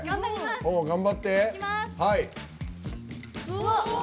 頑張って。